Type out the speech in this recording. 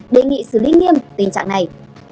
đề nghị xử lý nghiêm tình trạng này